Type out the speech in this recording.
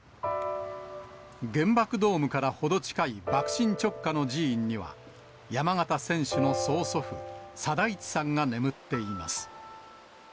原爆ドームから程近い爆心直下の寺院には、山縣選手の曽祖父、貞一さんが眠っています。